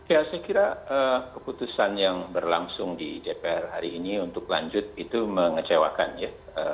ya saya kira keputusan yang berlangsung di dpr hari ini untuk lanjut itu mengecewakan ya